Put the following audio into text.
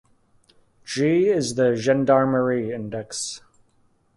G is the Gendarmerie index.